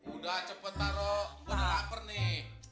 udah cepet taro gua gak per nih